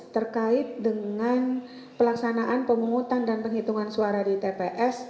terkait dengan pelaksanaan pemungutan dan penghitungan suara di tps